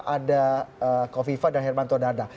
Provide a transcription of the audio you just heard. ada kofifa dan hermanto dada